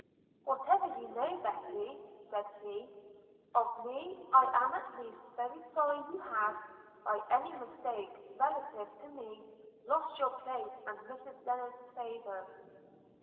'Whatever you know, Betty,' said he, 'of me, I am at least very sorry you have, by any mistake, relative to me, lost your place, and Mrs Lennard's favour.'